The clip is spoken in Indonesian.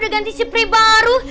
udah ganti spri baru